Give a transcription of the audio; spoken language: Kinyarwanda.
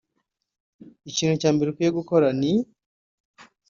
ikintu cya mbere ukwiye gukora ni